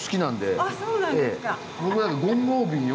あそうなんですか。